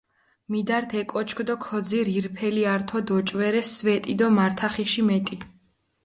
მიდართ ე კოჩქჷ დო ქოძირჷ, ირფელი ართო დოჭვერე სვეტი დო მართახიში მეტი